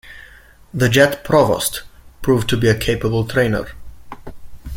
The Jet Provost proved to be a capable trainer.